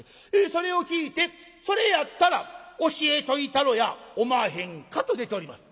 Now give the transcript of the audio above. それを聞いて『それやったら教えといたろやおまへんか』と出ております。